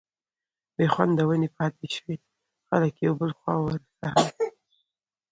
بي خونده ونې پاتي شوې، خلک يو بل خوا ور څخه